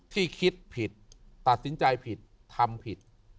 ที่คิดผิดตัดสินใจผิดทำผิด